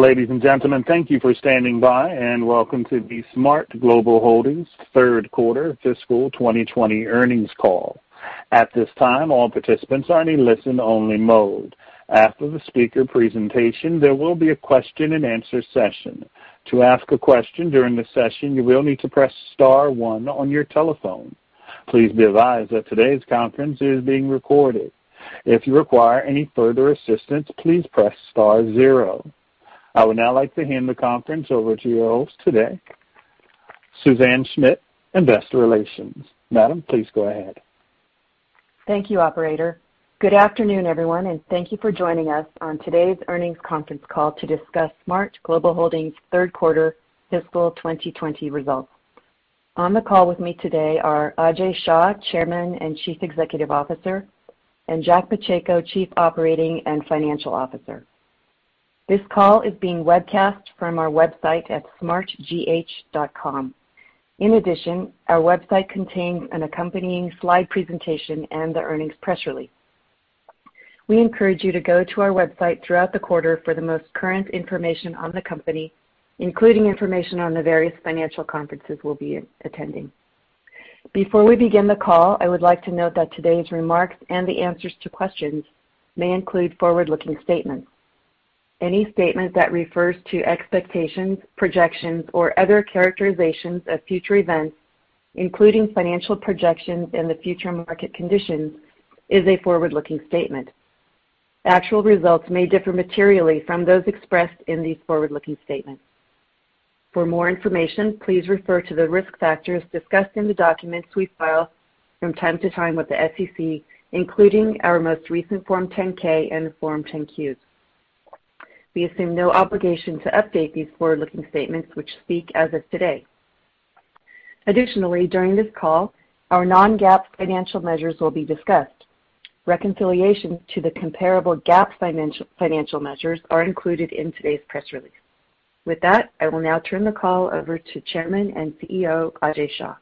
Ladies and gentlemen, thank you for standing by, and welcome to the Penguin Solutions third quarter fiscal 2020 earnings call. At this time, all participants are in listen-only mode. After the speaker presentation, there will be a question and answer session. To ask a question during the session, you will need to press star one on your telephone. Please be advised that today's conference is being recorded. If you require any further assistance, please press star zero. I would now like to hand the conference over to you all today, Suzanne Schmidt, Investor Relations. Madam, please go ahead. Thank you, operator. Good afternoon, everyone, and thank you for joining us on today's earnings conference call to discuss SMART Global Holdings' third quarter fiscal 2020 results. On the call with me today are Ajay Shah, Chairman and Chief Executive Officer, and Jack Pacheco, Chief Operating and Financial Officer. This call is being webcast from our website at smartgh.com. In addition, our website contains an accompanying slide presentation and the earnings press release. We encourage you to go to our website throughout the quarter for the most current information on the company, including information on the various financial conferences we'll be attending. Before we begin the call, I would like to note that today's remarks and the answers to questions may include forward-looking statements. Any statement that refers to expectations, projections, or other characterizations of future events, including financial projections in the future market conditions, is a forward-looking statement. Actual results may differ materially from those expressed in these forward-looking statements. For more information, please refer to the risk factors discussed in the documents we file from time to time with the SEC, including our most recent Form 10-K and Form 10-Qs. We assume no obligation to update these forward-looking statements which speak as of today. Additionally, during this call, our non-GAAP financial measures will be discussed. Reconciliation to the comparable GAAP financial measures are included in today's press release. With that, I will now turn the call over to Chairman and CEO, Ajay Shah.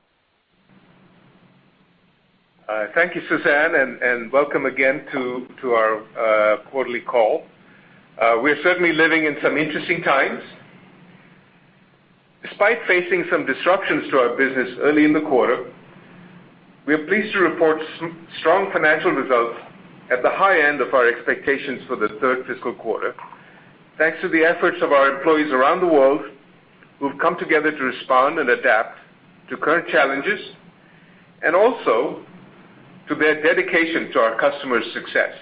Thank you, Suzanne, and welcome again to our quarterly call. We are certainly living in some interesting times. Despite facing some disruptions to our business early in the quarter, we are pleased to report strong financial results at the high end of our expectations for the third fiscal quarter. Thanks to the efforts of our employees around the world who have come together to respond and adapt to current challenges, and also to their dedication to our customers' success.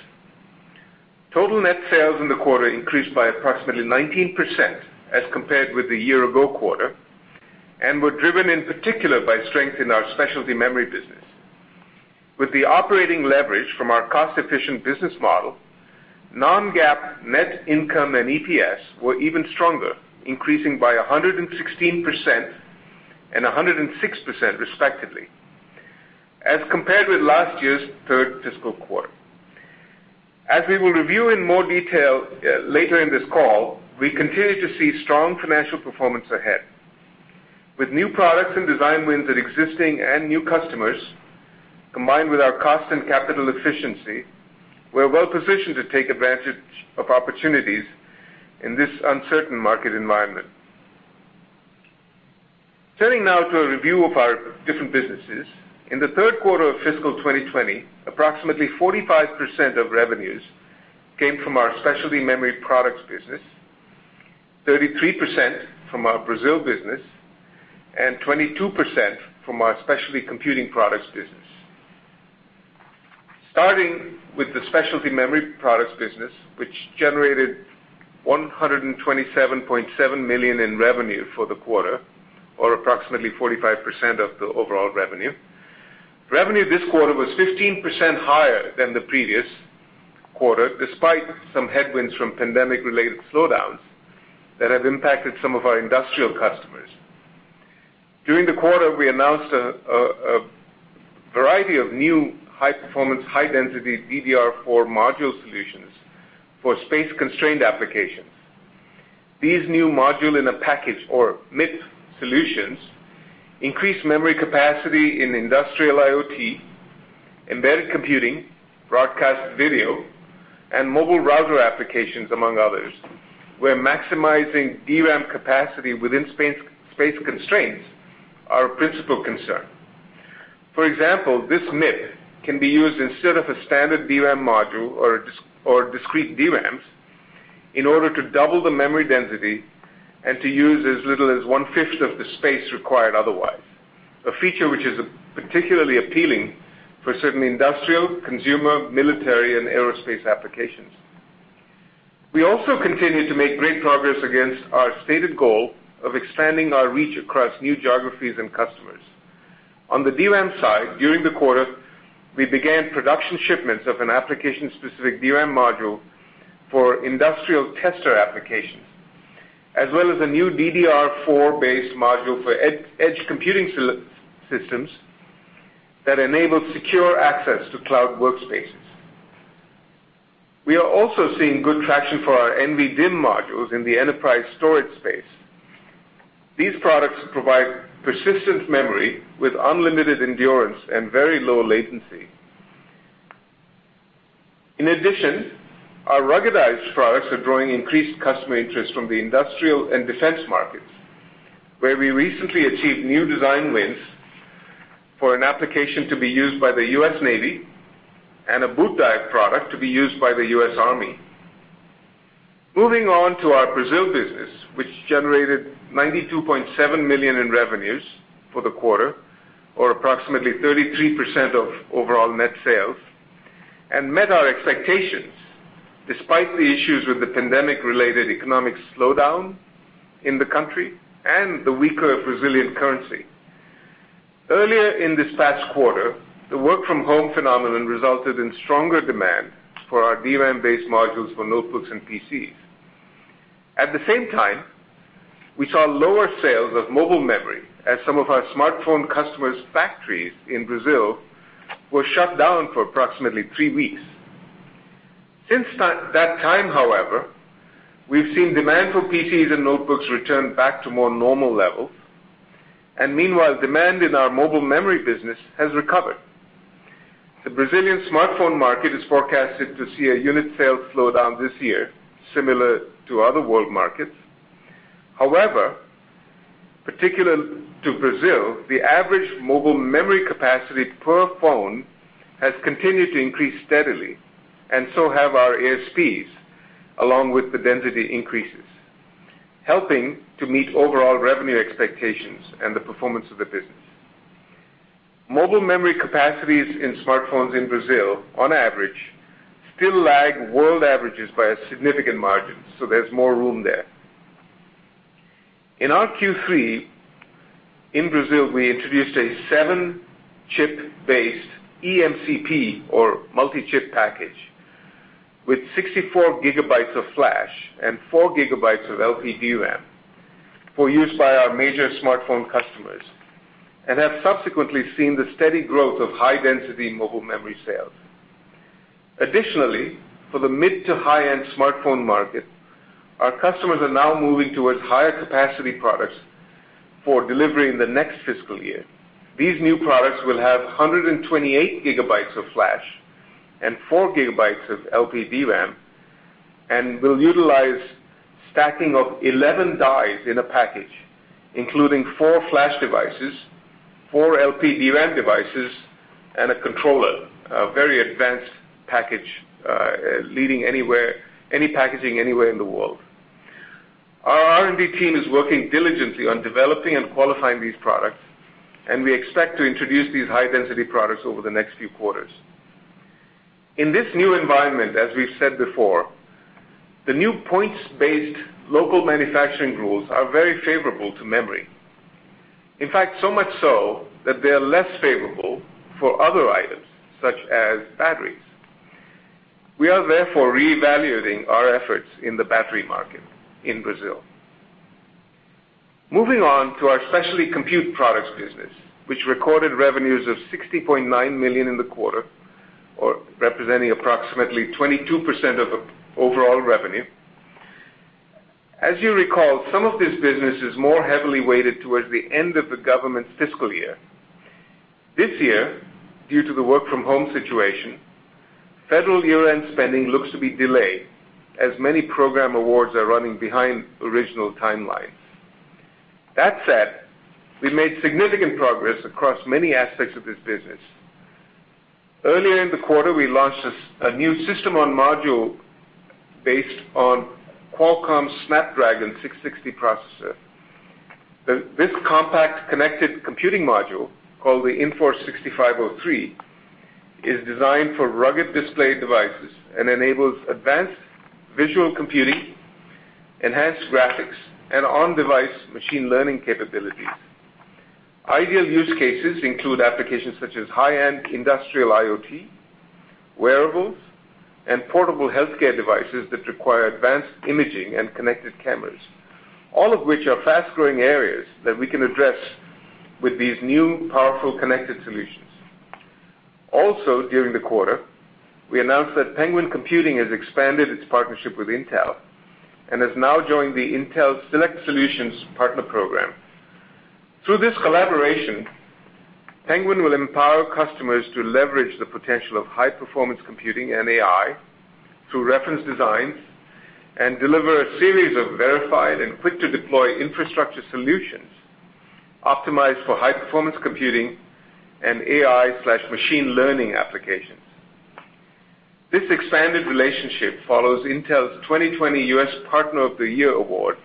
Total net sales in the quarter increased by approximately 19% as compared with the year ago quarter, and were driven in particular by strength in our specialty memory business. With the operating leverage from our cost-efficient business model, non-GAAP net income and EPS were even stronger, increasing by 116% and 106% respectively as compared with last year's third fiscal quarter. As we will review in more detail later in this call, we continue to see strong financial performance ahead. With new products and design wins at existing and new customers, combined with our cost and capital efficiency, we're well-positioned to take advantage of opportunities in this uncertain market environment. Turning now to a review of our different businesses. In the third quarter of fiscal 2020, approximately 45% of revenues came from our specialty memory products business, 33% from our Brazil business, and 22% from our specialty computing products business. Starting with the specialty memory products business, which generated $127.7 million in revenue for the quarter, or approximately 45% of the overall revenue. Revenue this quarter was 15% higher than the previous quarter, despite some headwinds from pandemic-related slowdowns that have impacted some of our industrial customers. During the quarter, we announced a variety of new high-performance, high-density DDR4 module solutions for space-constrained applications. These new module in a package or MIP solutions increase memory capacity in industrial IoT, embedded computing, broadcast video, and mobile router applications, among others, where maximizing DRAM capacity within space constraints are a principal concern. For example, this MIP can be used instead of a standard DRAM module or discrete DRAMs in order to double the memory density and to use as little as one-fifth of the space required otherwise, a feature which is particularly appealing for certain industrial, consumer, military, and aerospace applications. We also continue to make great progress against our stated goal of expanding our reach across new geographies and customers. On the DRAM side, during the quarter, we began production shipments of an application-specific DRAM module for industrial tester applications, as well as a new DDR4-based module for edge computing systems that enable secure access to cloud workspaces. We are also seeing good traction for our NVDIMM modules in the enterprise storage space. These products provide persistent memory with unlimited endurance and very low latency. In addition, our ruggedized products are drawing increased customer interest from the industrial and defense markets, where we recently achieved new design wins for an application to be used by the U.S. Navy and a boot drive product to be used by the U.S. Army. Moving on to our Brazil business, which generated $92.7 million in revenues for the quarter, or approximately 33% of overall net sales, and met our expectations despite the issues with the pandemic-related economic slowdown in the country and the weaker Brazilian currency. Earlier in this past quarter, the work-from-home phenomenon resulted in stronger demand for our DRAM-based modules for notebooks and PCs. At the same time, we saw lower sales of mobile memory as some of our smartphone customers' factories in Brazil were shut down for approximately three weeks. Since that time, however, we've seen demand for PCs and notebooks return back to more normal levels, and meanwhile, demand in our mobile memory business has recovered. The Brazilian smartphone market is forecasted to see a unit sales slowdown this year, similar to other world markets. However, particular to Brazil, the average mobile memory capacity per phone has continued to increase steadily, and so have our ASPs, along with the density increases, helping to meet overall revenue expectations and the performance of the business. Mobile memory capacities in smartphones in Brazil, on average, still lag world averages by a significant margin, so there's more room there. In our Q3 in Brazil, we introduced a seven chip-based EMCP or multi-chip package with 64 GB of flash and 4 GB of LPDRAM for use by our major smartphone customers, and have subsequently seen the steady growth of high-density mobile memory sales. Additionally, for the mid to high-end smartphone market, our customers are now moving towards higher capacity products for delivery in the next fiscal year. These new products will have 128 GB of flash and 4 GB of LPDRAM, and will utilize stacking of 11 dies in a package, including four flash devices, four LPDRAM devices, and a controller, a very advanced package, leading any packaging anywhere in the world. Our R&D team is working diligently on developing and qualifying these products. We expect to introduce these high-density products over the next few quarters. In this new environment, as we've said before, the new points-based local manufacturing rules are very favorable to memory. In fact, so much so that they are less favorable for other items, such as batteries. We are therefore reevaluating our efforts in the battery market in Brazil. Moving on to our specialty compute products business, which recorded revenues of $60.9 million in the quarter, or representing approximately 22% of overall revenue. As you recall, some of this business is more heavily weighted towards the end of the government's fiscal year. This year, due to the work-from-home situation, federal year-end spending looks to be delayed as many program awards are running behind original timelines. That said, we made significant progress across many aspects of this business. Earlier in the quarter, we launched a new system on module based on Qualcomm Snapdragon 660 processor. This compact connected computing module, called the Inforce 6503, is designed for rugged display devices and enables advanced visual computing, enhanced graphics, and on-device machine learning capabilities. Ideal use cases include applications such as high-end industrial IoT, wearables, and portable healthcare devices that require advanced imaging and connected cameras, all of which are fast-growing areas that we can address with these new powerful connected solutions. Also, during the quarter, we announced that Penguin Computing has expanded its partnership with Intel and has now joined the Intel Select Solutions Partner Program. Through this collaboration, Penguin will empower customers to leverage the potential of high-performance computing and AI through reference designs and deliver a series of verified and quick-to-deploy infrastructure solutions optimized for high-performance computing and AI/machine learning applications. This expanded relationship follows Intel's 2020 U.S. Partner of the Year award,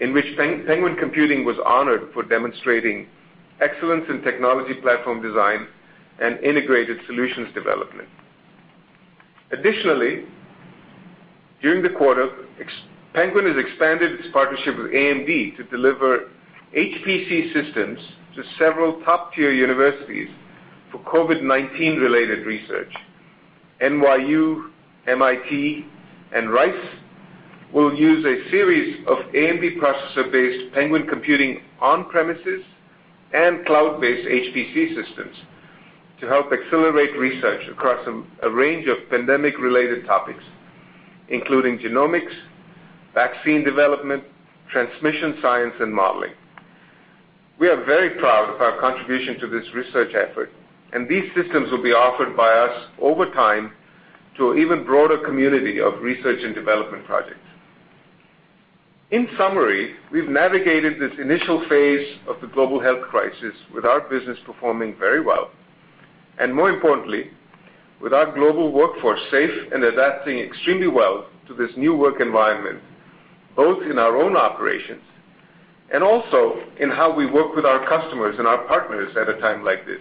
in which Penguin Computing was honored for demonstrating excellence in technology platform design and integrated solutions development. Additionally, during the quarter, Penguin has expanded its partnership with AMD to deliver HPC systems to several top-tier universities for COVID-19 related research. NYU, MIT, and Rice will use a series of AMD processor-based Penguin Computing on-premises and cloud-based HPC systems to help accelerate research across a range of pandemic-related topics, including genomics, vaccine development, transmission science, and modeling. We are very proud of our contribution to this research effort, these systems will be offered by us over time to an even broader community of research and development projects. In summary, we've navigated this initial phase of the global health crisis with our business performing very well, and more importantly, with our global workforce safe and adapting extremely well to this new work environment, both in our own operations and also in how we work with our customers and our partners at a time like this.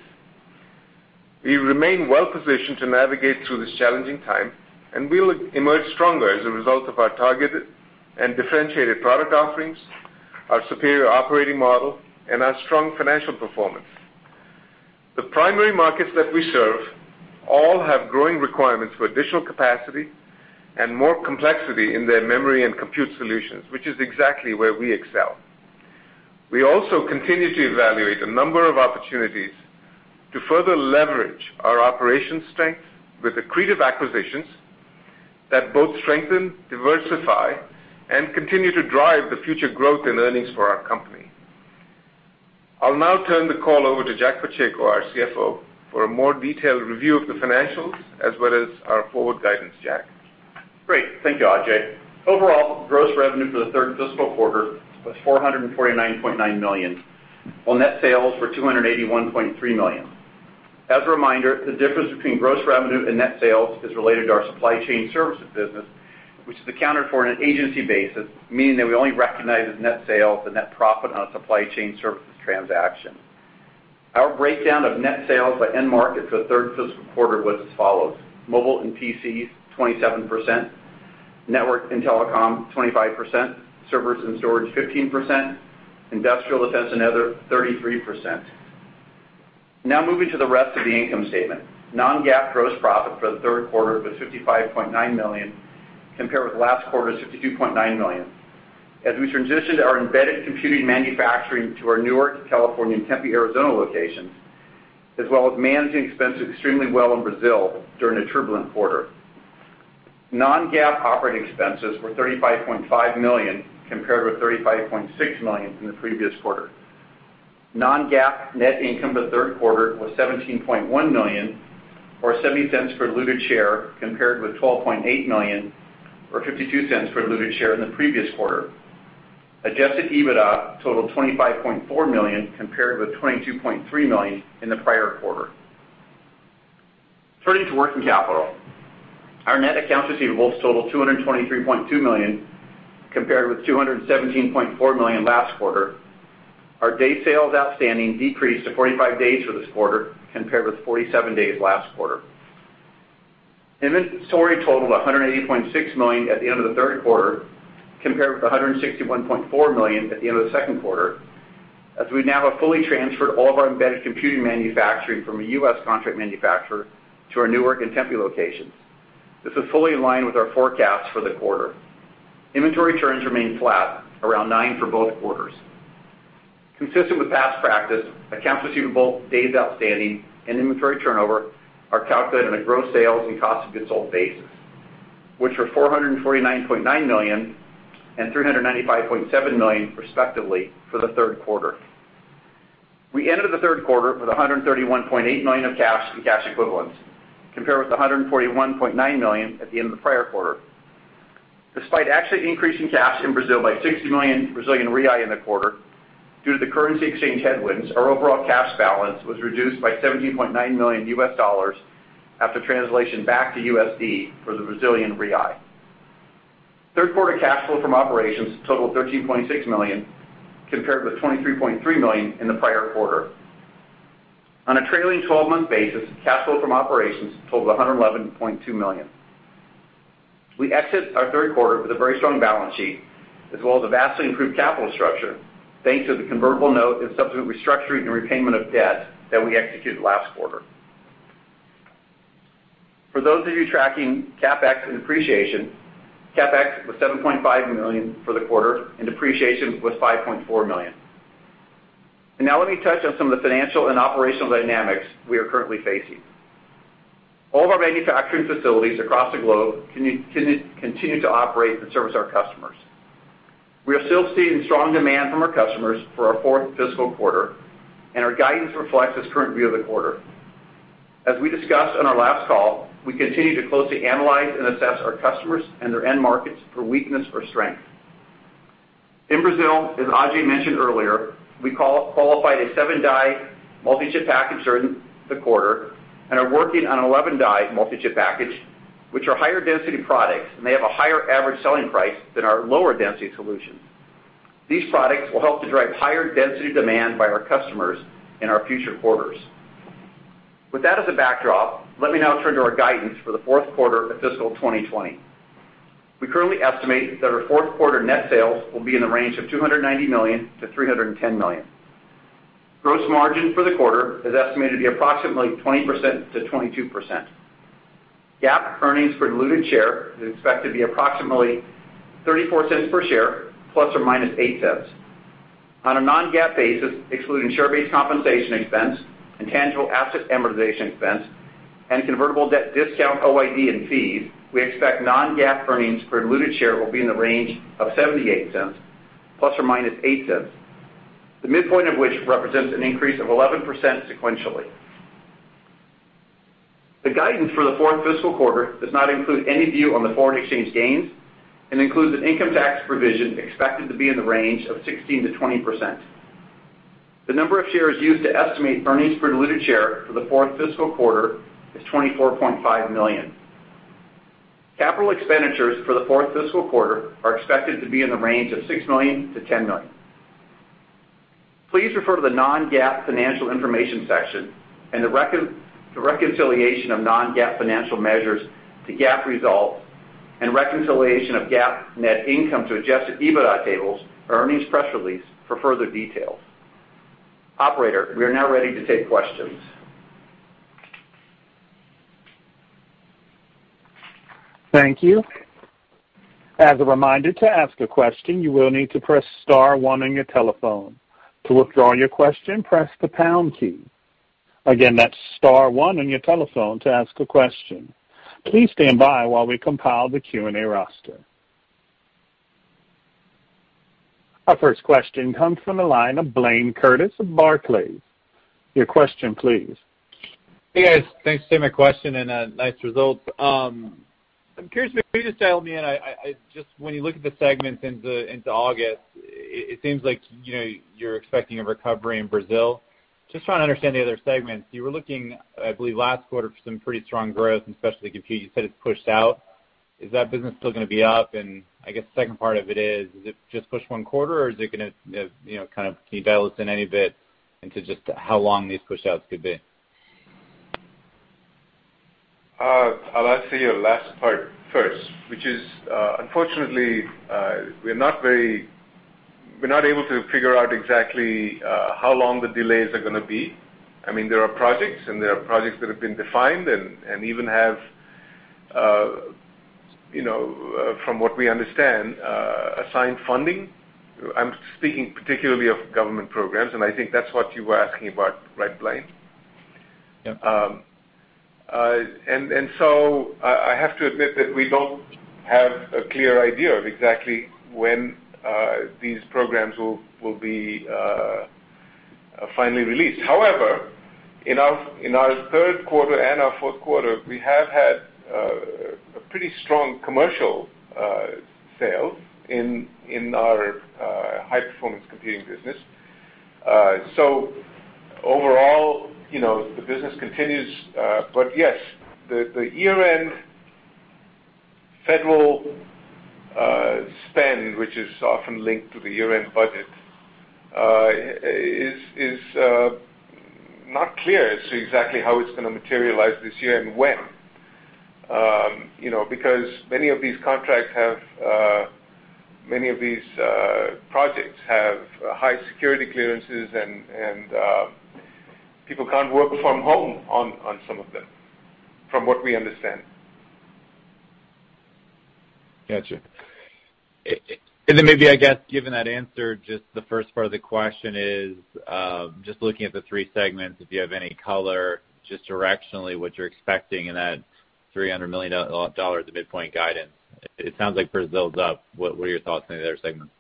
We remain well-positioned to navigate through this challenging time, and we will emerge stronger as a result of our targeted and differentiated product offerings, our superior operating model, and our strong financial performance. The primary markets that we serve all have growing requirements for additional capacity and more complexity in their memory and compute solutions, which is exactly where we excel. We also continue to evaluate a number of opportunities to further leverage our operations strength with accretive acquisitions that both strengthen, diversify, and continue to drive the future growth in earnings for our company. I'll now turn the call over to Jack Pacheco, our CFO, for a more detailed review of the financials as well as our forward guidance. Jack? Great. Thank you, Ajay. Overall, gross revenue for the third fiscal quarter was $449.9 million, while net sales were $281.3 million. As a reminder, the difference between gross revenue and net sales is related to our supply chain services business, which is accounted for on an agency basis, meaning that we only recognize as net sales the net profit on a supply chain services transaction. Our breakdown of net sales by end market for the third fiscal quarter was as follows: mobile and PCs, 27%; network and telecom, 25%; servers and storage, 15%; industrial, defense, and other, 33%. Moving to the rest of the income statement. Non-GAAP gross profit for the third quarter was $55.9 million, compared with last quarter's $52.9 million, as we transitioned our embedded computing manufacturing to our Newark, California, and Tempe, Arizona, locations, as well as managing expenses extremely well in Brazil during a turbulent quarter. Non-GAAP operating expenses were $35.5 million compared with $35.6 million in the previous quarter. Non-GAAP net income for the third quarter was $17.1 million, or $0.70 per diluted share, compared with $12.8 million or $0.52 per diluted share in the previous quarter. Adjusted EBITDA totaled $25.4 million, compared with $22.3 million in the prior quarter. Turning to working capital. Our net accounts receivables totaled $223.2 million, compared with $217.4 million last quarter. Our day sales outstanding decreased to 45 days for this quarter, compared with 47 days last quarter. Inventory totaled $180.6 million at the end of the third quarter, compared with $161.4 million at the end of the second quarter, as we now have fully transferred all of our embedded computing manufacturing from a U.S. contract manufacturer to our Newark and Tempe locations. This is fully in line with our forecast for the quarter. Inventory turns remained flat, around nine for both quarters. Consistent with past practice, accounts receivable, days outstanding, and inventory turnover are calculated on a gross sales and cost of goods sold basis, which were $449.9 million and $395.7 million respectively for the third quarter. We ended the third quarter with $131.8 million of cash and cash equivalents, compared with $141.9 million at the end of the prior quarter. Despite actually increasing cash in Brazil by 60 million in the quarter, due to the currency exchange headwinds, our overall cash balance was reduced by $17.9 million after translation back to USD from the Brazilian real. Third quarter cash flow from operations totaled $13.6 million, compared with $23.3 million in the prior quarter. On a trailing 12-month basis, cash flow from operations totaled $111.2 million. We exit our third quarter with a very strong balance sheet, as well as a vastly improved capital structure, thanks to the convertible note and subsequent restructuring and repayment of debt that we executed last quarter. For those of you tracking CapEx and depreciation, CapEx was $7.5 million for the quarter, and depreciation was $5.4 million. Now let me touch on some of the financial and operational dynamics we are currently facing. All of our manufacturing facilities across the globe continue to operate and service our customers. We are still seeing strong demand from our customers for our fourth fiscal quarter, and our guidance reflects this current view of the quarter. As we discussed on our last call, we continue to closely analyze and assess our customers and their end markets for weakness or strength. In Brazil, as Ajay mentioned earlier, we qualified a seven-die multi-chip package during the quarter and are working on an 11-die multi-chip package, which are higher density products and they have a higher average selling price than our lower density solutions. These products will help to drive higher density demand by our customers in our future quarters. With that as a backdrop, let me now turn to our guidance for the fourth quarter of fiscal 2020. We currently estimate that our fourth quarter net sales will be in the range of $290 million-$310 million. Gross margin for the quarter is estimated to be approximately 20%-22%. GAAP earnings per diluted share is expected to be approximately $0.34 per share, ±$0.08. On a non-GAAP basis, excluding share-based compensation expense and tangible asset amortization expense and convertible debt discount, OID, and fees, we expect non-GAAP earnings per diluted share will be in the range of $0.78 ±$0.08. The midpoint of which represents an increase of 11% sequentially. The guidance for the fourth fiscal quarter does not include any view on the foreign exchange gains and includes an income tax provision expected to be in the range of 16%-20%. The number of shares used to estimate earnings per diluted share for the fourth fiscal quarter is 24.5 million. Capital expenditures for the fourth fiscal quarter are expected to be in the range of $6 million-$10 million. Please refer to the non-GAAP financial information section and the reconciliation of non-GAAP financial measures to GAAP results and reconciliation of GAAP net income to adjusted EBITDA tables earnings press release for further details. Operator, we are now ready to take questions. Thank you. As a reminder, to ask a question, you will need to press star one on your telephone. To withdraw your question, press the pound key. Again, that's star one on your telephone to ask a question. Please stand by while we compile the Q&A roster. Our first question comes from the line of Blayne Curtis of Barclays. Your question please. Hey, guys. Thanks for taking my question and nice results. I'm curious, maybe just dial me in. When you look at the segments into August, it seems like you're expecting a recovery in Brazil. Just trying to understand the other segments. You were looking, I believe, last quarter for some pretty strong growth, especially compute. You said it's pushed out. Is that business still going to be up? I guess the second part of it is it just pushed one quarter or can you dial us in any bit into just how long these pushouts could be? I'll answer your last part first, which is, unfortunately, we're not able to figure out exactly how long the delays are going to be. There are projects and there are projects that have been defined, and even have, from what we understand, assigned funding. I'm speaking particularly of government programs, and I think that's what you were asking about, right, Blayne? Yep. I have to admit that we don't have a clear idea of exactly when these programs will be finally released. However, in our third quarter and our fourth quarter, we have had a pretty strong commercial sale in our high-performance computing business. Overall, the business continues. Yes, the year-end federal spend, which is often linked to the year-end budget, is not clear as to exactly how it's going to materialize this year and when. Many of these projects have high security clearances, and people can't work from home on some of them, from what we understand. Got you. Then maybe, I guess, given that answer, just the first part of the question is, just looking at the three segments, if you have any color, just directionally, what you're expecting in that $300 million at the midpoint guidance. It sounds like Brazil's up. What are your thoughts on the other segments?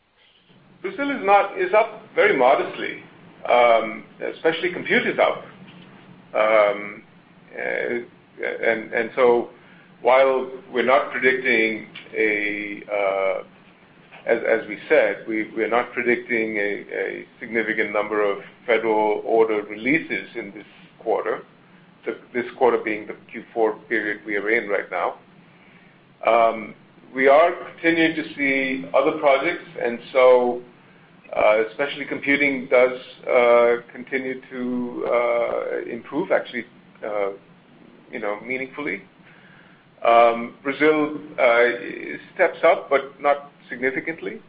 Brazil is up very modestly, specialty compute is up. While, as we said, we're not predicting a significant number of federal order releases in this quarter, this quarter being the Q4 period we are in right now. We are continuing to see other projects, and so specialty computing does continue to improve, actually meaningfully. Brazil steps up, but not significantly.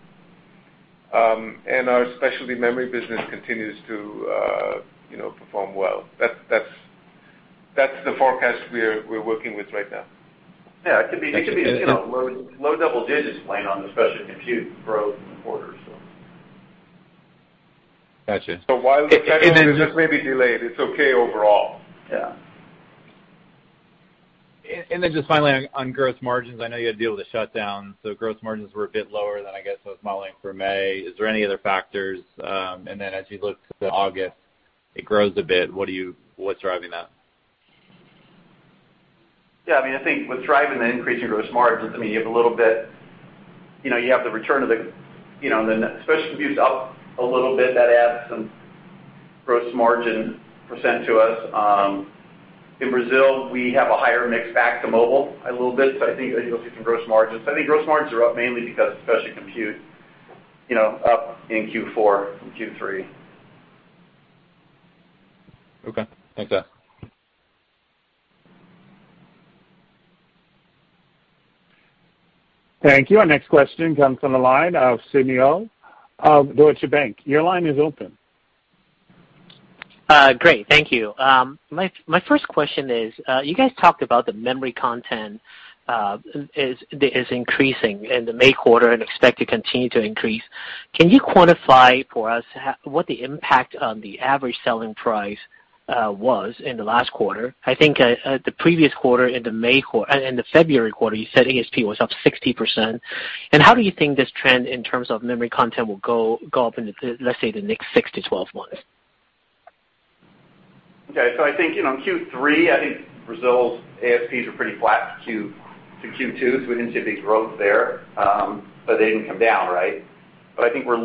Our specialty memory business continues to perform well. That's the forecast we're working with right now. Yeah. It could be low double digits Blayne on the specialty compute growth quarter. Got you. While the federal is just maybe delayed, it's okay overall. Yeah. Just finally on gross margins, I know you had to deal with a shutdown, so gross margins were a bit lower than I guess I was modeling for May. Is there any other factors? As you look to August, it grows a bit. What's driving that? Yeah, I think with driving the increase in gross margins, you have the return of specialty compute's up a little bit. That adds some gross margin percent to us. In Brazil, we have a higher mix back to mobile a little bit, so I think you'll see some gross margins. I think gross margins are up mainly because specialty compute up in Q4 from Q3. Okay. Thanks, guys. Thank you. Our next question comes from the line of Sidney Ho of Deutsche Bank. Your line is open. Great. Thank you. My first question is, you guys talked about the memory content is increasing in the May quarter and expect to continue to increase. Can you quantify for us what the impact on the average selling price was in the last quarter? I think the previous quarter, in the February quarter, you said ASP was up 60%. How do you think this trend, in terms of memory content, will go up in, let's say, the next six to 12 months? I think, Q3, I think Brazil's ASPs are pretty flat to Q2, so we didn't see a big growth there. They didn't come down. I think we're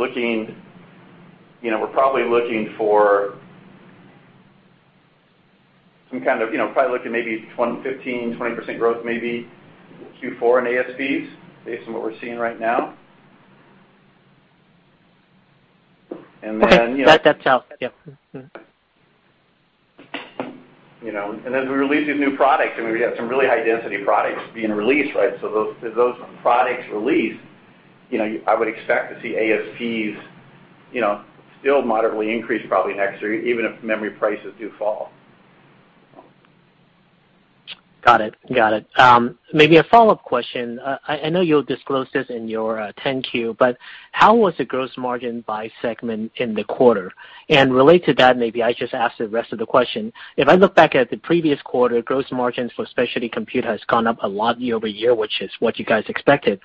probably looking for maybe 15%-20% growth maybe Q4 in ASPs based on what we're seeing right now. Okay. That helps. Yep. As we release these new products, and we have some really high-density products being released, so as those products release, I would expect to see ASPs still moderately increase probably next year, even if memory prices do fall. Got it. Maybe a follow-up question. I know you'll disclose this in your 10-Q, but how was the gross margin by segment in the quarter? Related to that, maybe I just ask the rest of the question. If I look back at the previous quarter, gross margins for specialty compute has gone up a lot year-over-year, which is what you guys expected.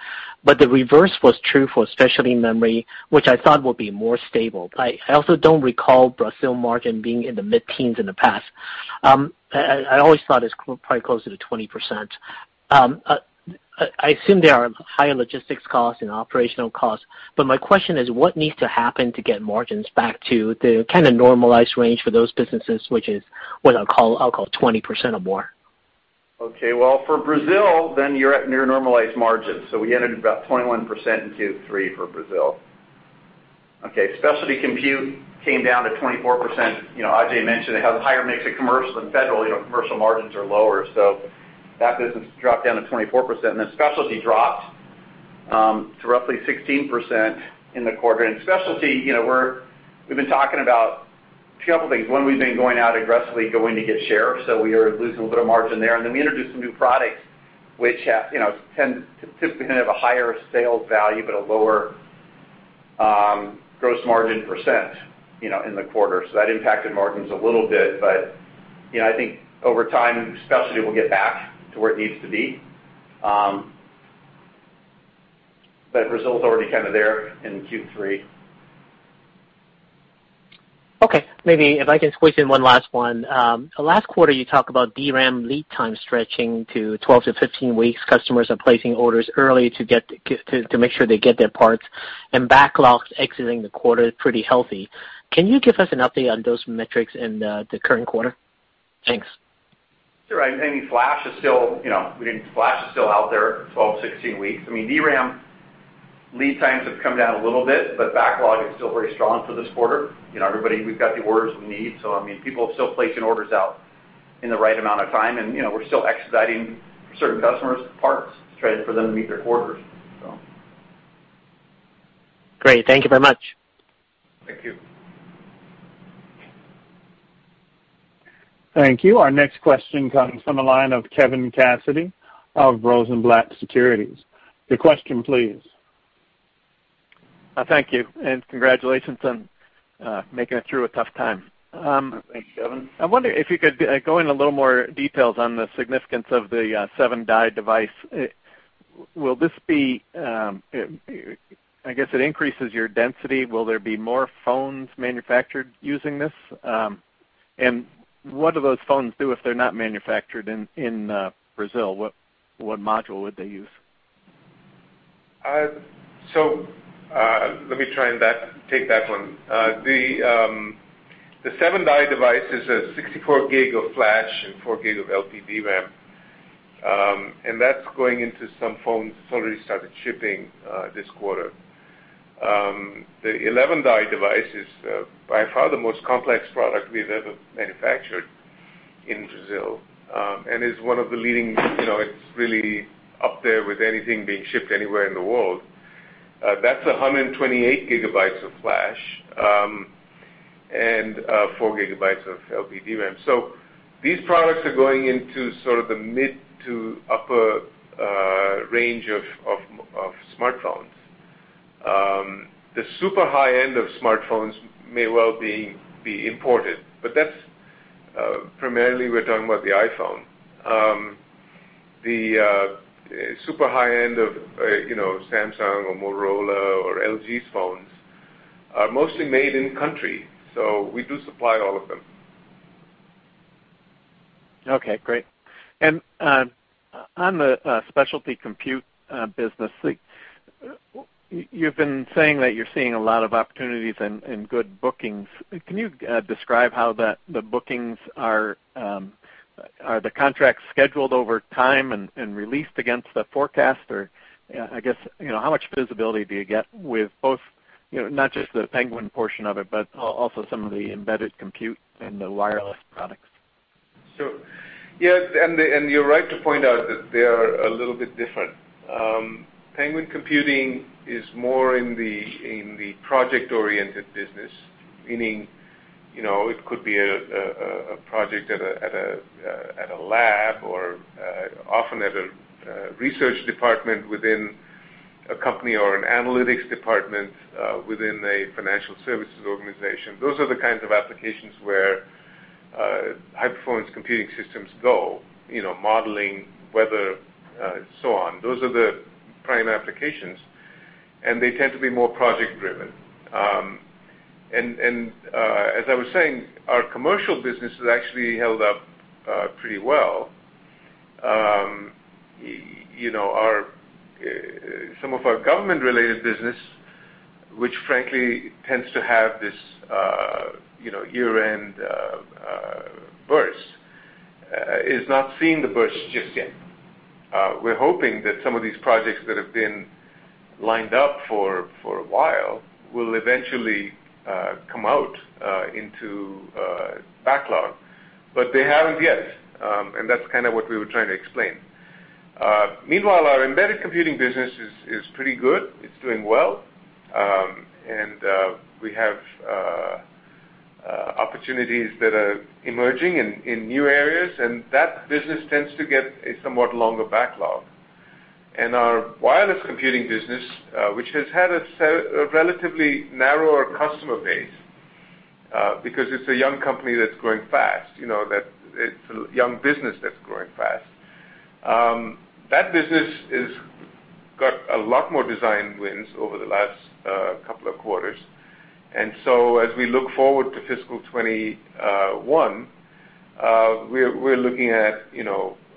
The reverse was true for specialty memory, which I thought would be more stable. I also don't recall Brazil margin being in the mid-teens in the past. I always thought it's probably closer to 20%. I assume there are higher logistics costs and operational costs, but my question is, what needs to happen to get margins back to the kind of normalized range for those businesses, which is what I'll call 20% or more? For Brazil, you're at near normalized margins. We ended about 21% in Q3 for Brazil. Specialty compute came down to 24%. Ajay mentioned it has higher mix of commercial and federal. Commercial margins are lower, that business dropped down to 24%, specialty dropped to roughly 16% in the quarter. Specialty, we've been talking about a couple things. One, we've been going out aggressively to get share, we are losing a bit of margin there. We introduced some new products, which typically have a higher sales value, but a lower gross margin % in the quarter. That impacted margins a little bit. I think over time, specialty will get back to where it needs to be. Brazil's already kind of there in Q3. Okay. Maybe if I can squeeze in one last one. Last quarter you talked about DRAM lead time stretching to 12 to 15 weeks. Customers are placing orders early to make sure they get their parts, and backlogs exiting the quarter pretty healthy. Can you give us an update on those metrics in the current quarter? Thanks. Sure. I think flash is still out there 12 to 16 weeks. DRAM lead times have come down a little bit. Backlog is still very strong for this quarter. We've got the orders we need. People are still placing orders out in the right amount of time. We're still expediting certain customers' parts to try for them to meet their quarters. Great. Thank you very much. Thank you. Thank you. Our next question comes from the line of Kevin Cassidy of Rosenblatt Securities. Your question, please. Thank you, and congratulations on making it through a tough time. Thank you, Kevin. I wonder if you could go in a little more details on the significance of the seven-die device. I guess it increases your density. Will there be more phones manufactured using this? What do those phones do if they're not manufactured in Brazil? What module would they use? Let me try and take that one. The seven-die device is a 64 GB of flash and 4 GB of LPDRAM, and that's going into some phones that's already started shipping this quarter. The 11-die device is by far the most complex product we've ever manufactured in Brazil. It's really up there with anything being shipped anywhere in the world. That's 128 GB of flash, and 4 GB of LPDRAM. These products are going into sort of the mid to upper range of smartphones. The super high-end of smartphones may well be imported, but primarily we're talking about the iPhone. The super high-end of Samsung or Motorola or LG's phones are mostly made in country, so we do supply all of them. Okay, great. On the specialty compute business, you've been saying that you're seeing a lot of opportunities and good bookings. Can you describe how the bookings are the contracts scheduled over time and released against the forecast? Or I guess, how much visibility do you get with both, not just the Penguin portion of it, but also some of the embedded compute and the wireless products? Yes, and you're right to point out that they are a little bit different. Penguin Computing is more in the project-oriented business, meaning It could be a project at a lab or often at a research department within a company or an analytics department within a financial services organization. Those are the kinds of applications where high-performance computing systems go, modeling weather, so on. Those are the prime applications, and they tend to be more project-driven. As I was saying, our commercial business has actually held up pretty well. Some of our government-related business, which frankly tends to have this year-end burst, is not seeing the burst just yet. We're hoping that some of these projects that have been lined up for a while will eventually come out into backlog, but they haven't yet, and that's what we were trying to explain. Meanwhile, our embedded computing business is pretty good. It's doing well. We have opportunities that are emerging in new areas, and that business tends to get a somewhat longer backlog. Our wireless computing business, which has had a relatively narrower customer base because it's a young business that's growing fast. That business has got a lot more design wins over the last couple of quarters. As we look forward to fiscal 2021, we're looking at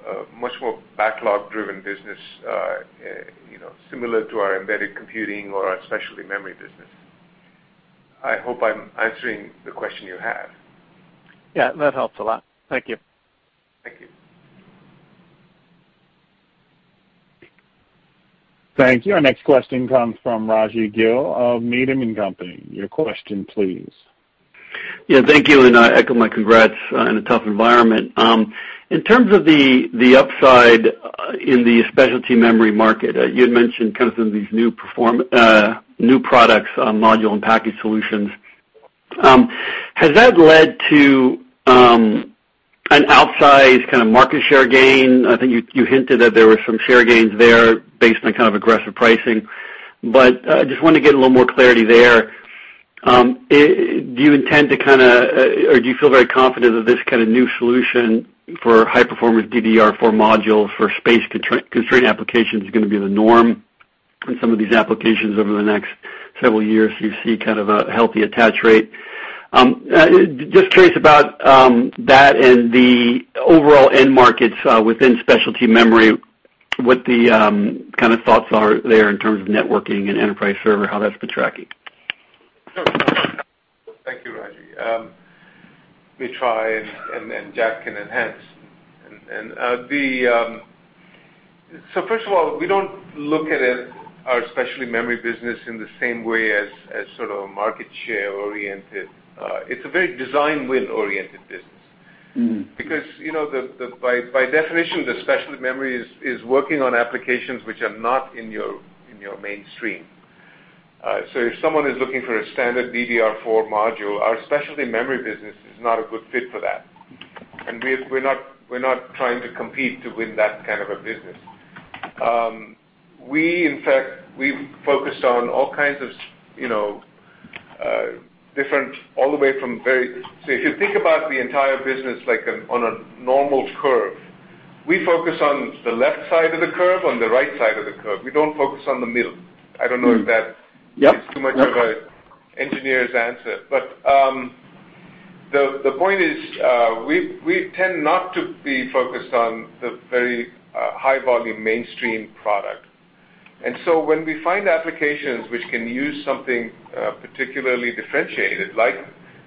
a much more backlog-driven business, similar to our embedded computing or our specialty memory business. I hope I'm answering the question you have. Yeah, that helps a lot. Thank you. Thank you. Thank you. Our next question comes from Rajvindra Gill of Needham & Company. Your question, please. Yeah, thank you. I echo my congrats in a tough environment. In terms of the upside in the specialty memory market, you had mentioned some of these new products on module and package solutions. Has that led to an outsized kind of market share gain? I think you hinted that there were some share gains there based on aggressive pricing. I just wanted to get a little more clarity there. Do you intend to, or do you feel very confident that this kind of new solution for high-performance DDR4 modules for space-constrained applications is going to be the norm in some of these applications over the next several years, you see a healthy attach rate? Just curious about that and the overall end markets within specialty memory, what the thoughts are there in terms of networking and enterprise server, how that's been tracking. Sure. Thank you, Raji. Let me try and Jack can enhance. First of all, we don't look at our specialty memory business in the same way as sort of market share-oriented. It's a very design win-oriented business. Because by definition, the specialty memory is working on applications which are not in your mainstream. If someone is looking for a standard DDR4 module, our specialty memory business is not a good fit for that. We're not trying to compete to win that kind of a business. We've focused on all kinds of different. If you think about the entire business, like on a normal curve, we focus on the left side of the curve, on the right side of the curve. We don't focus on the middle. Yep is too much of an engineer's answer. The point is we tend not to be focused on the very high-volume mainstream product. When we find applications which can use something particularly differentiated, like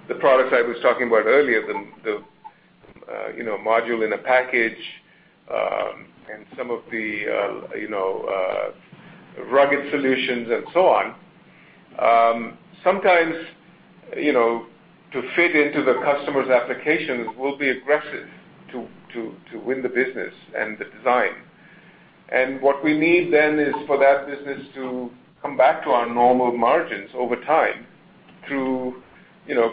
the products I was talking about earlier, the module in a package and some of the rugged solutions and so on. Sometimes to fit into the customer's applications, we'll be aggressive to win the business and the design. What we need then is for that business to come back to our normal margins over time through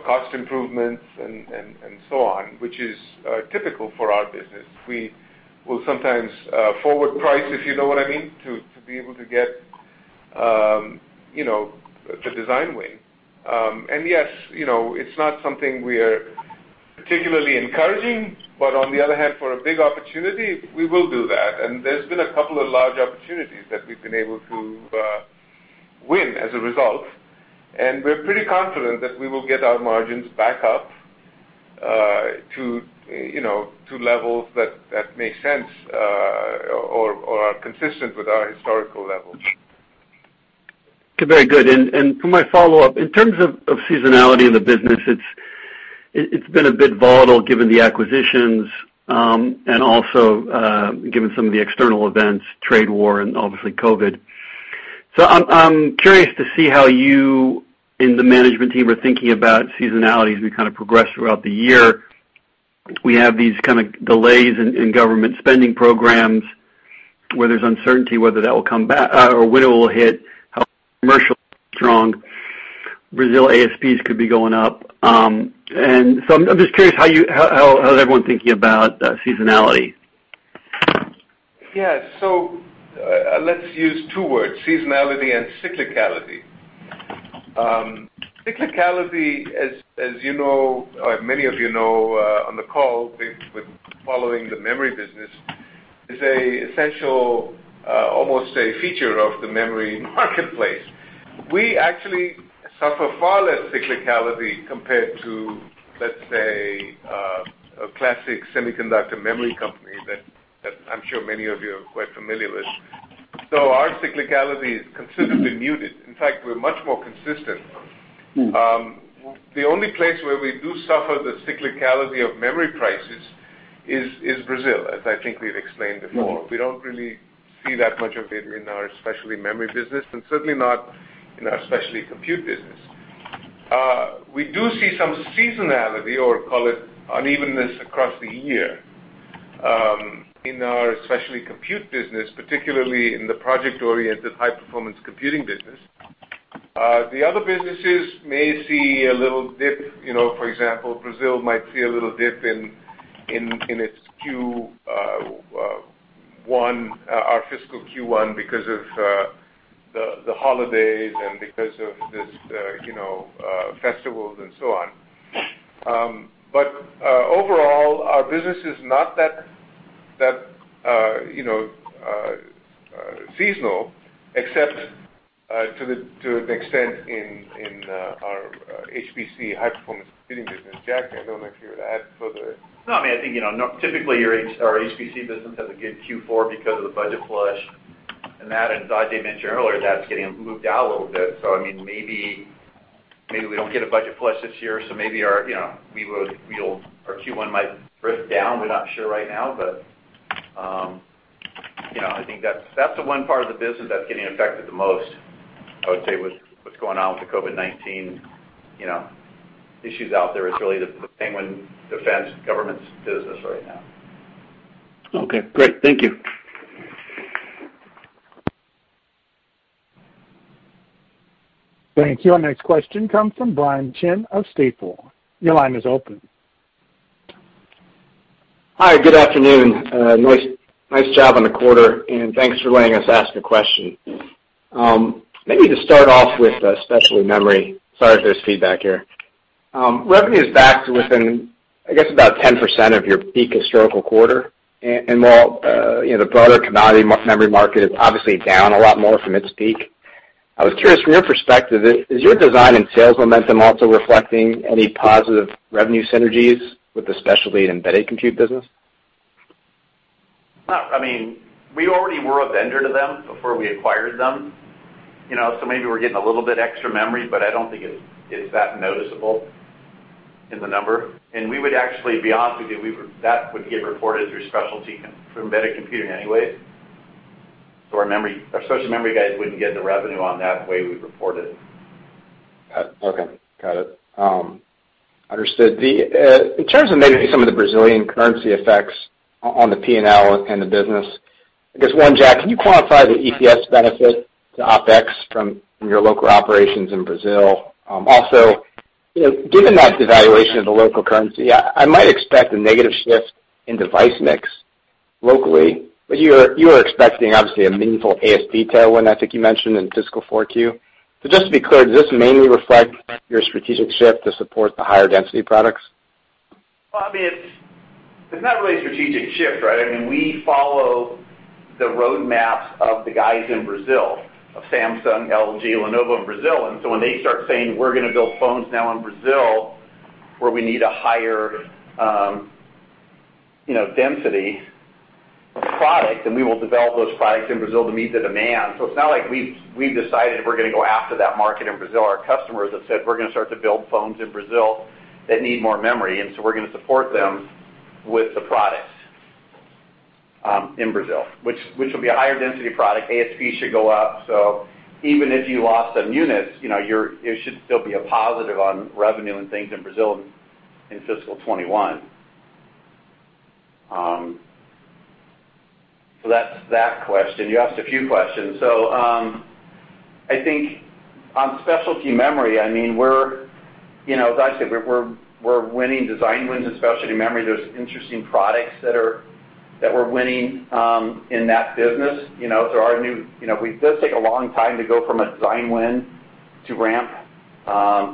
cost improvements and so on, which is typical for our business. We will sometimes forward price, if you know what I mean, to be able to get the design win. Yes, it's not something we are particularly encouraging, but on the other hand, for a big opportunity, we will do that. There's been a couple of large opportunities that we've been able to win as a result, and we're pretty confident that we will get our margins back up to levels that make sense or are consistent with our historical levels. Very good. For my follow-up, in terms of seasonality in the business, it's been a bit volatile given the acquisitions and also given some of the external events, trade war, and obviously COVID-19. I'm curious to see how you and the management team are thinking about seasonality as we progress throughout the year. We have these kind of delays in government spending programs where there's uncertainty whether that will come back or when it will hit, how commercial strong Brazil ASPs could be going up. I'm just curious how everyone's thinking about seasonality. Let's use two words, seasonality and cyclicality. Cyclicality, as many of you know on the call with following the memory business, is a essential, almost a feature of the memory marketplace. We actually suffer far less cyclicality compared to, let's say, a classic semiconductor memory company that I'm sure many of you are quite familiar with. Our cyclicality is considerably muted. In fact, we're much more consistent. The only place where we do suffer the cyclicality of memory prices is Brazil, as I think we've explained before. We don't really see that much of it in our specialty memory business and certainly not in our specialty compute business. We do see some seasonality, or call it unevenness across the year, in our specialty compute business, particularly in the project-oriented, high-performance computing business. The other businesses may see a little dip. For example, Brazil might see a little dip in its Q1, our fiscal Q1, because of the holidays and because of these festivals and so on. Overall, our business is not that seasonal except to an extent in our HPC, high-performance computing business. Jack, I don't know if you would add further. I think, typically our HPC business has a good Q4 because of the budget flush. That, as Ajay mentioned earlier, that's getting moved out a little bit. Maybe we don't get a budget flush this year, maybe our Q1 might drift down. We're not sure right now, I think that's the one part of the business that's getting affected the most, I would say, with what's going on with the COVID-19 issues out there. It's really the Penguin defense government's business right now. Okay, great. Thank you. Thank you. Our next question comes from Brian Chin of Stifel. Your line is open. Hi. Good afternoon. Nice job on the quarter, and thanks for letting us ask a question. Maybe to start off with specialty memory. Sorry if there's feedback here. Revenue is back to within, I guess about 10% of your peak historical quarter. While the broader commodity memory market is obviously down a lot more from its peak, I was curious from your perspective, is your design and sales momentum also reflecting any positive revenue synergies with the specialty and embedded compute business? We already were a vendor to them before we acquired them. Maybe we're getting a little bit extra memory, but I don't think it's that noticeable in the number. We would actually be honest with you, that would get reported through specialty from embedded computing anyway. Our specialty memory guys wouldn't get the revenue on that, the way we report it. Okay. Got it. Understood. In terms of maybe some of the Brazilian currency effects on the P&L and the business, I guess one, Jack, can you quantify the EPS benefit to OpEx from your local operations in Brazil? Given that devaluation of the local currency, I might expect a negative shift in device mix locally, but you are expecting, obviously, a meaningful ASP tailwind, I think you mentioned in fiscal 4Q. Just to be clear, does this mainly reflect your strategic shift to support the higher density products? It's not really a strategic shift, right? We follow the roadmaps of the guys in Brazil, of Samsung, LG, Lenovo in Brazil. When they start saying, "We're going to build phones now in Brazil, where we need a higher density product," then we will develop those products in Brazil to meet the demand. It's not like we've decided we're going to go after that market in Brazil. Our customers have said, "We're going to start to build phones in Brazil that need more memory," we're going to support them with the products in Brazil, which will be a higher density product. ASP should go up. Even if you lost on units, it should still be a positive on revenue and things in Brazil in fiscal 2021. That's that question. You asked a few questions. I think on specialty memory, as I said, we're winning design wins in specialty memory. There's interesting products that we're winning in that business. It does take a long time to go from a design win to ramp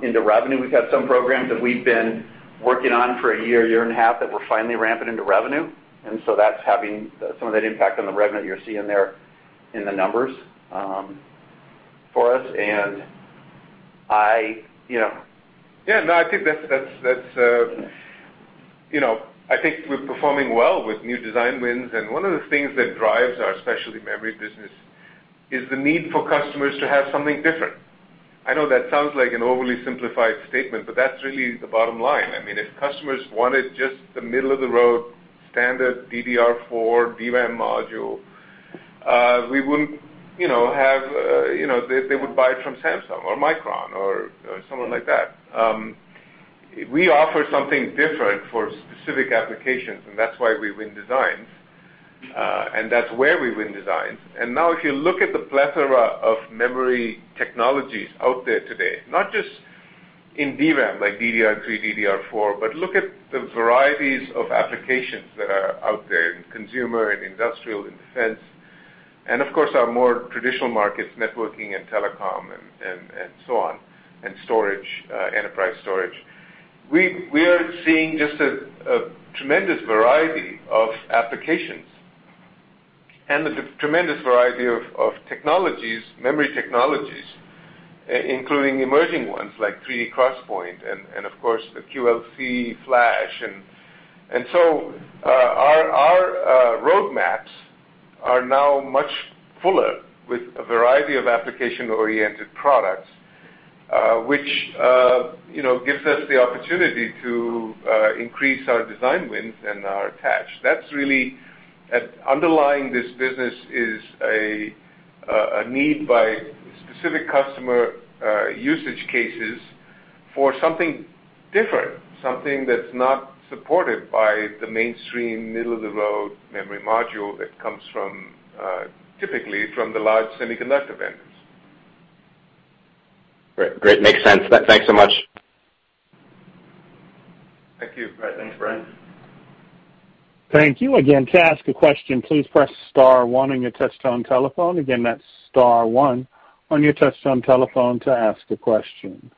into revenue. We've had some programs that we've been working on for a year and a half, that we're finally ramping into revenue. That's having some of that impact on the revenue that you're seeing there in the numbers for us. Yeah, no, I think we're performing well with new design wins, and one of the things that drives our specialty memory business is the need for customers to have something different. I know that sounds like an overly simplified statement, but that's really the bottom line. If customers wanted just the middle-of-the-road standard DDR4 DRAM module. We wouldn't have. They would buy it from Samsung or Micron or someone like that. We offer something different for specific applications, and that's why we win designs, and that's where we win designs. Now if you look at the plethora of memory technologies out there today, not just in DRAM, like DDR3, DDR4, but look at the varieties of applications that are out there in consumer, in industrial, in defense, and of course, our more traditional markets, networking and telecom and so on, and enterprise storage. We are seeing just a tremendous variety of applications and a tremendous variety of memory technologies, including emerging ones like 3D XPoint and, of course, the QLC Flash. Our roadmaps are now much fuller with a variety of application-oriented products, which gives us the opportunity to increase our design wins and our attach. That's really underlying this business is a need by specific customer usage cases for something different, something that's not supported by the mainstream, middle-of-the-road memory module that comes typically from the large semiconductor vendors. Great. Makes sense. Thanks so much. Thank you. Thanks, Brian. Thank you. To ask a question, please press star one on your touch-tone telephone. That's star one on your touch-tone telephone to ask a question.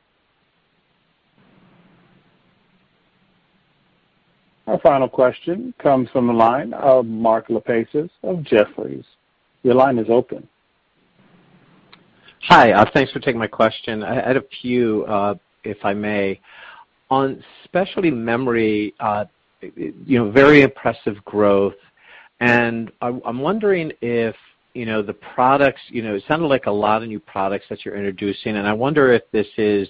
Our final question comes from the line of Mark Lipacis of Jefferies. Your line is open. Hi. Thanks for taking my question. I had a few, if I may. On specialty memory, very impressive growth, and I'm wondering if the products, it sounded like a lot of new products that you're introducing, and I wonder if this is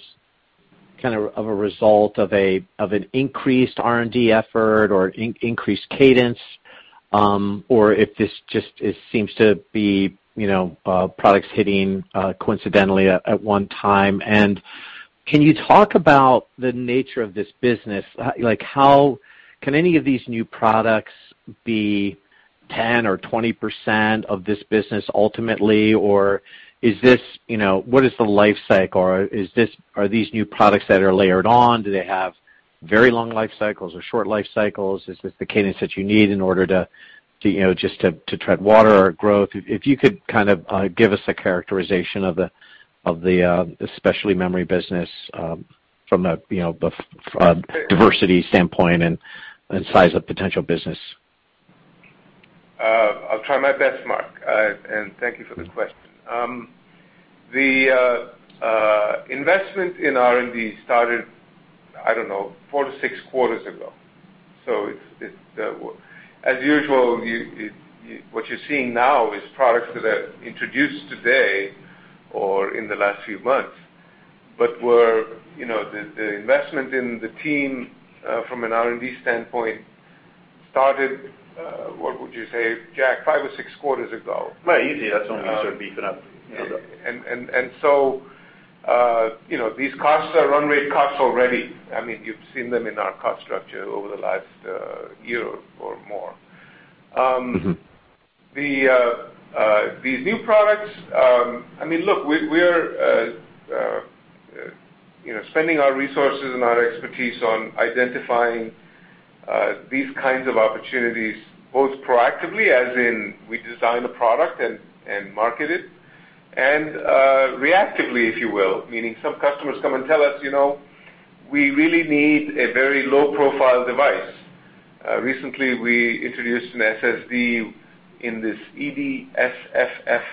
of a result of an increased R&D effort or increased cadence, or if this just seems to be products hitting coincidentally at one time. Can you talk about the nature of this business? Can any of these new products be 10 or 20% of this business ultimately? What is the life cycle? Are these new products that are layered on, do they have very long life cycles or short life cycles? Is this the cadence that you need in order to just to tread water or growth? If you could give us a characterization of the specialty memory business from the diversity standpoint and size of potential business. I'll try my best, Mark. Thank you for the question. The investment in R&D started, I don't know, four to six quarters ago. As usual, what you're seeing now is products that are introduced today or in the last few months, but the investment in the team, from an R&D standpoint, started, what would you say, Jack, five or six quarters ago? Right. Easy. That's when we started beefing up. These costs are run rate costs already. You've seen them in our cost structure over the last year or more. These new products, look, we're spending our resources and our expertise on identifying these kinds of opportunities, both proactively, as in we design the product and market it, and reactively, if you will, meaning some customers come and tell us, "We really need a very low-profile device." Recently, we introduced an SSD in this EDSFF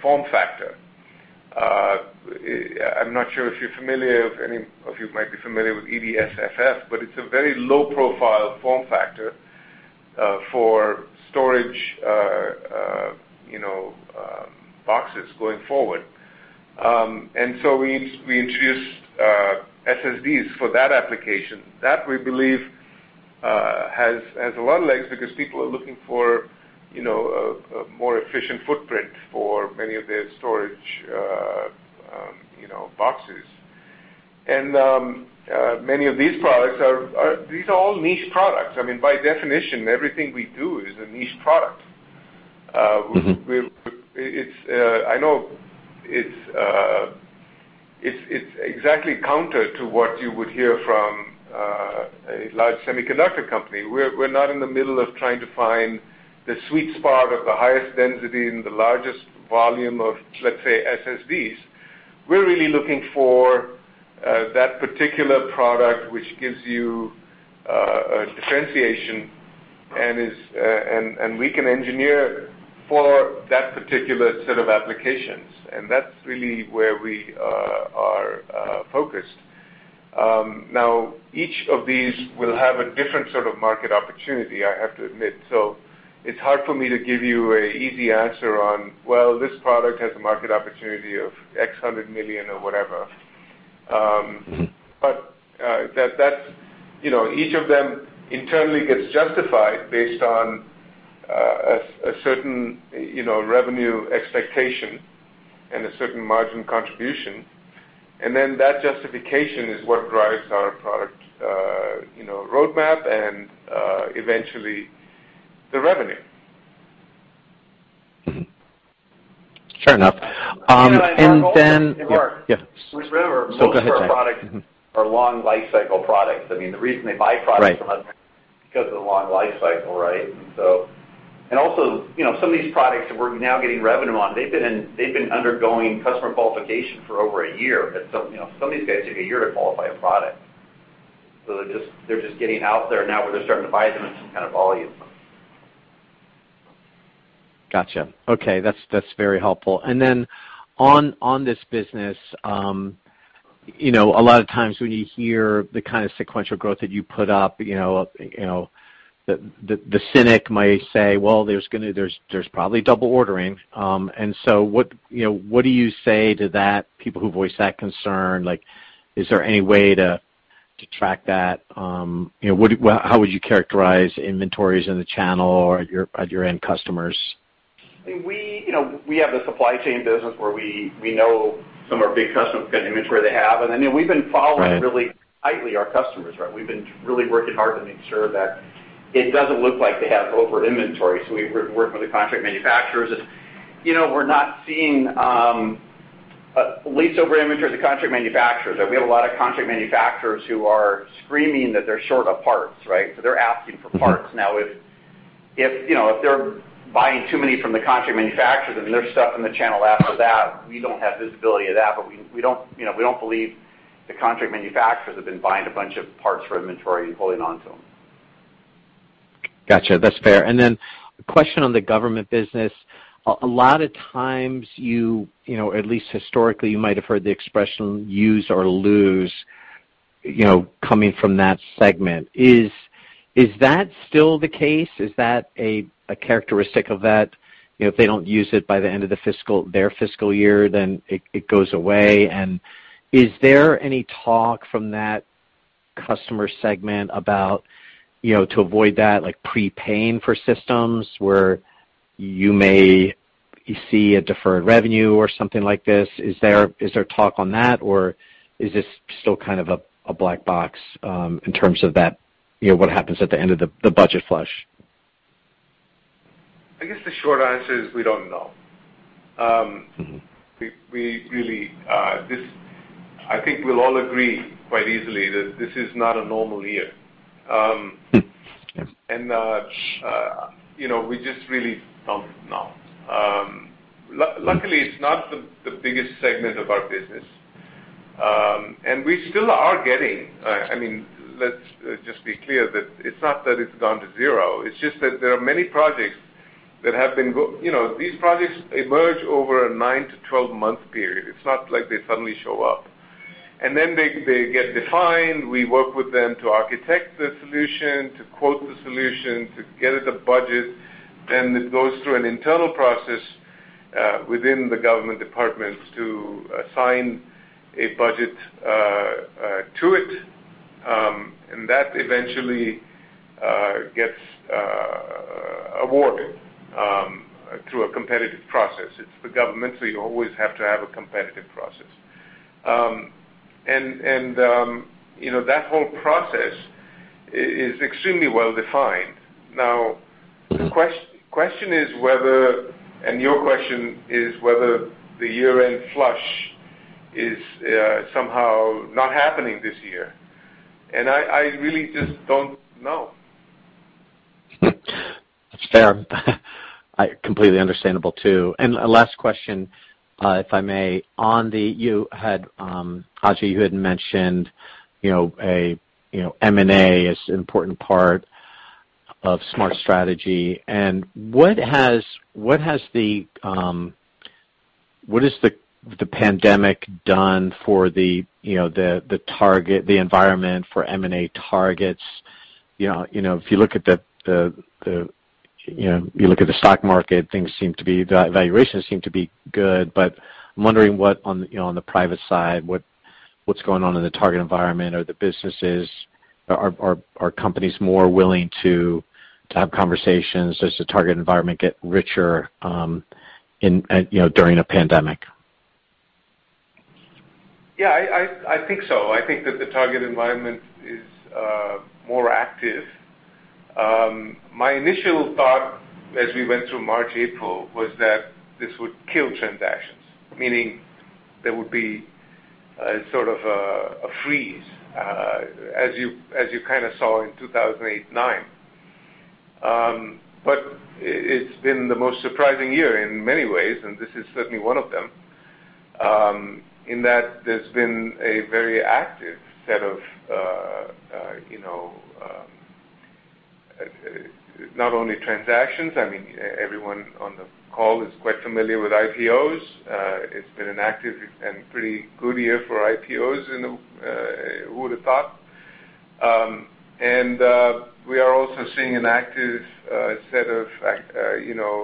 form factor. I'm not sure if you're familiar, if any of you might be familiar with EDSFF, but it's a very low-profile form factor for storage boxes going forward. We introduced SSDs for that application. That, we believe, has a lot of legs because people are looking for a more efficient footprint for many of their storage boxes. Many of these products are all niche products. By definition, everything we do is a niche product. I know it's exactly counter to what you would hear from a large semiconductor company. We're not in the middle of trying to find the sweet spot of the highest density and the largest volume of, let's say, SSDs. We're really looking for that particular product which gives you a differentiation, and we can engineer for that particular set of applications, and that's really where we are focused. Now, each of these will have a different sort of market opportunity, I have to admit. It's hard for me to give you an easy answer on, well, this product has a market opportunity of X hundred million or whatever. Each of them internally gets justified based on a certain revenue expectation and a certain margin contribution. Then that justification is what drives our product roadmap and eventually the revenue. Mm-hmm. Fair enough. Can I add, Mark, also? Yeah. Hey, Mark. Yes. Just remember. Go ahead, Jack. most of our products are long lifecycle products. The reason they buy products from us. Right because of the long life cycle, right? Some of these products that we're now getting revenue on, they've been undergoing customer qualification for over a year. Some of these guys took a year to qualify a product. They're just getting out there now where they're starting to buy them in some kind of volume. Got you. Okay, that's very helpful. On this business, a lot of times when you hear the kind of sequential growth that you put up, the cynic might say, "Well, there's probably double ordering." What do you say to that, people who voice that concern? Is there any way to track that? How would you characterize inventories in the channel or at your end customers? We have the supply chain business where we know some of our big customers, what kind of inventory they have. Right really tightly our customers, right? We've been really working hard to make sure that it doesn't look like they have over inventory. We've been working with the contract manufacturers, and we're not seeing least over inventory at the contract manufacturers. We have a lot of contract manufacturers who are screaming that they're short of parts, right? They're asking for parts. Now, if they're buying too many from the contract manufacturers, and there's stuff in the channel after that, we don't have visibility of that, but we don't believe the contract manufacturers have been buying a bunch of parts for inventory and holding onto them. Got you. That's fair. A question on the government business. A lot of times you, at least historically, you might have heard the expression use or lose, coming from that segment. Is that still the case? Is that a characteristic of that, if they don't use it by the end of their fiscal year, then it goes away? Is there any talk from that customer segment about to avoid that, like prepaying for systems where you may see a deferred revenue or something like this? Is there talk on that, or is this still kind of a black box in terms of what happens at the end of the budget flush? I guess the short answer is we don't know. I think we'll all agree quite easily that this is not a normal year. Yes. We just really don't know. Luckily, it's not the biggest segment of our business. Let's just be clear that it's not that it's gone to zero. It's just that there are many projects. These projects emerge over a 9 to 12-month period. It's not like they suddenly show up. They get defined. We work with them to architect the solution, to quote the solution, to get it a budget. It goes through an internal process within the government departments to assign a budget to it, and that eventually gets awarded through a competitive process. It's the government, you always have to have a competitive process. That whole process is extremely well-defined. The question is whether, your question is whether the year-end flush is somehow not happening this year, I really just don't know. That's fair. Completely understandable, too. A last question, if I may. Ajay, you had mentioned M&A is an important part of SGH's strategy. What has the pandemic done for the environment for M&A targets? If you look at the stock market, valuations seem to be good, but I'm wondering what, on the private side, what's going on in the target environment or the businesses. Are companies more willing to have conversations? Does the target environment get richer during a pandemic? Yeah, I think so. I think that the target environment is more active. My initial thought as we went through March, April, was that this would kill transactions, meaning there would be sort of a freeze, as you kind of saw in 2009. It's been the most surprising year in many ways, and this is certainly one of them, in that there's been a very active set of not only transactions. Everyone on the call is quite familiar with IPOs. It's been an active and pretty good year for IPOs, and who would've thought? We are also seeing an active set of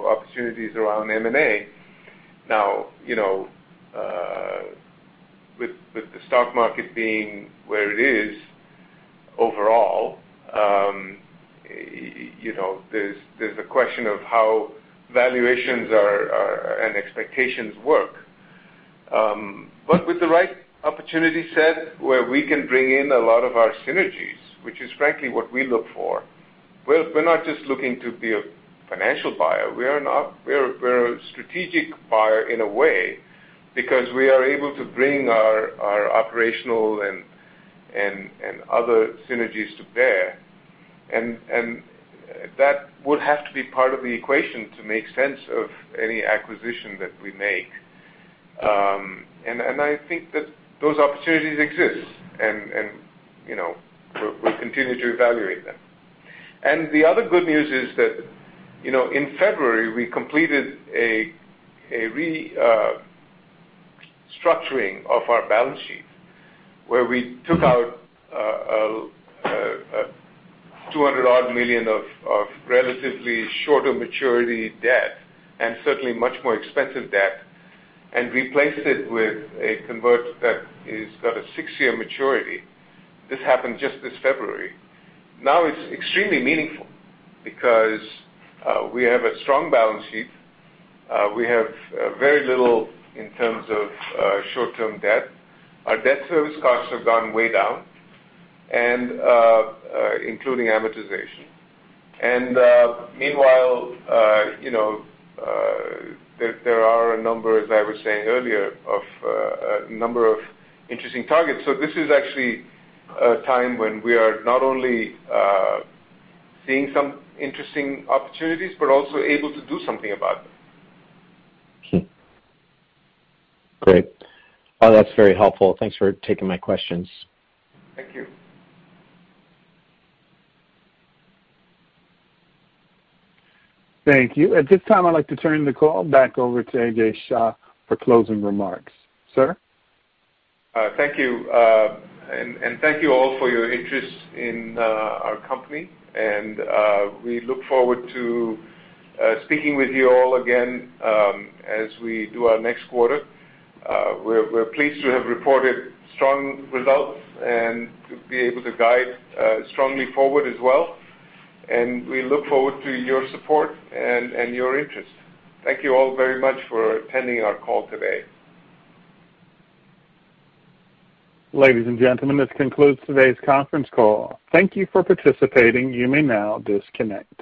opportunities around M&A. Now, with the stock market being where it is overall, there's a question of how valuations and expectations work. With the right opportunity set where we can bring in a lot of our synergies, which is frankly what we look for, we're not just looking to be a financial buyer. We're a strategic buyer in a way, because we are able to bring our operational and other synergies to bear. That would have to be part of the equation to make sense of any acquisition that we make. I think that those opportunities exist, and we'll continue to evaluate them. The other good news is that, in February, we completed a restructuring of our balance sheet, where we took out $200-odd million of relatively shorter maturity debt, and certainly much more expensive debt, and replaced it with a convert that has got a six-year maturity. This happened just this February. It's extremely meaningful, because we have a strong balance sheet. We have very little in terms of short-term debt. Our debt service costs have gone way down, including amortization. Meanwhile, there are a number, as I was saying earlier, of interesting targets. This is actually a time when we are not only seeing some interesting opportunities, but also able to do something about them. Great. That's very helpful. Thanks for taking my questions. Thank you. Thank you. At this time, I'd like to turn the call back over to Ajay Shah for closing remarks. Sir? Thank you. Thank you all for your interest in our company. We look forward to speaking with you all again as we do our next quarter. We are pleased to have reported strong results and to be able to guide strongly forward as well. We look forward to your support and your interest. Thank you all very much for attending our call today. Ladies and gentlemen, this concludes today's conference call. Thank you for participating. You may now disconnect.